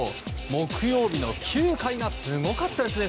木曜日の９回がすごかったですね